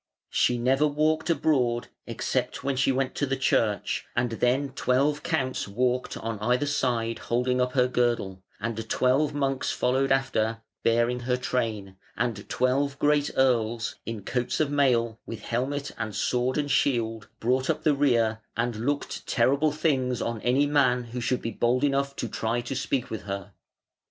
She never walked abroad, except when she went to the church, and then twelve counts walked on either side holding up her girdle, and twelve monks followed after, bearing her train, and twelve great Earls, in coats of mail, with helmet and sword and shield, brought up the rear, and looked terrible things on any man who should be bold enough to try to speak with her.